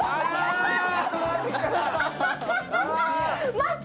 待って！